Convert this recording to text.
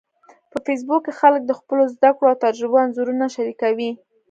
په فېسبوک کې خلک د خپلو زده کړو او تجربو انځورونه شریکوي